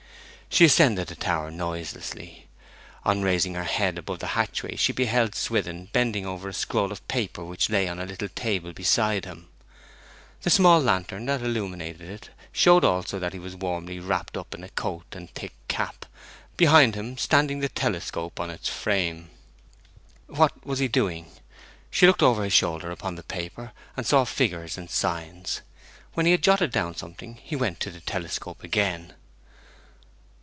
She ascended the tower noiselessly. On raising her head above the hatchway she beheld Swithin bending over a scroll of paper which lay on the little table beside him. The small lantern that illuminated it showed also that he was warmly wrapped up in a coat and thick cap, behind him standing the telescope on its frame. What was he doing? She looked over his shoulder upon the paper, and saw figures and signs. When he had jotted down something he went to the telescope again.